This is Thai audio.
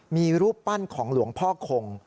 มีรูปปั้นของหลวงพ่อคง